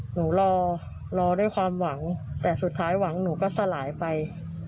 รอรอด้วยความหวังแต่สุดท้ายหวังหนูก็สลายไป